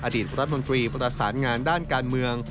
อดีตรัฐมนตรีประสานงานด้านการเมือง